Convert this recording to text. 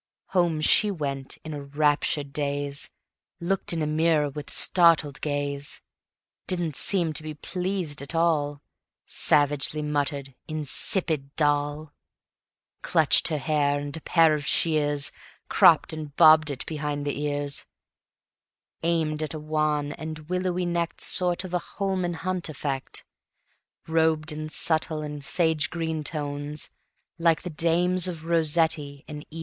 Home she went in a raptured daze, Looked in a mirror with startled gaze, Didn't seem to be pleased at all; Savagely muttered: "Insipid Doll!" Clutched her hair and a pair of shears, Cropped and bobbed it behind the ears; Aimed at a wan and willowy necked Sort of a Holman Hunt effect; Robed in subtile and sage green tones, Like the dames of Rossetti and E.